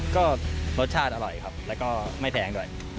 ก็รสชาติอร่อยครับแล้วก็ไม่แพงด้วย